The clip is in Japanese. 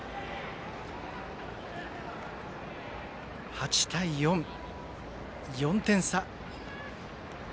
８対４、４点差。